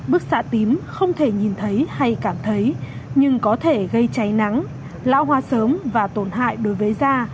bức xạ tím không thể nhìn thấy hay cảm thấy nhưng có thể gây cháy nắng lão hoa sớm và tổn hại đối với da